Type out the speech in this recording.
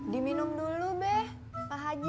diminum dulu deh pak haji